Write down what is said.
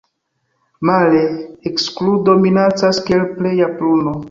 Male, ekskludo minacas kiel pleja puno.